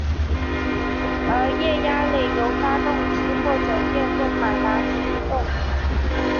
而液压泵由发动机或者电动马达驱动。